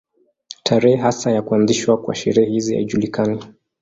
Tarehe hasa ya kuanzishwa kwa sherehe hizi haijulikani.